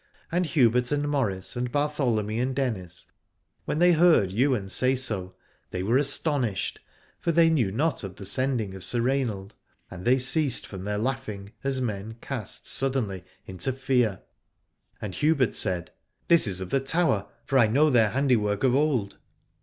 And Hubert and Maurice and Bartholomy and Dennis when they heard Ywain say so, they were astonished, for they knew not of the sending of Sir Rainald ; and they ceased from their laughing as men cast suddenly into fear. And Hubert said, This is of the Tower, for I know their handiwork of old.